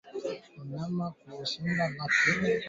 Mnyama kushindwa kula na kunywa maji ni dalili za ugonjwa wa kichaa